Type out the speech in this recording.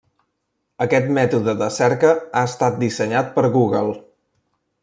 Aquest mètode de cerca ha estat dissenyat per Google.